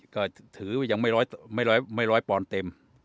ก็ถือว่ายังไม่ร้อยปอนด์เต็ม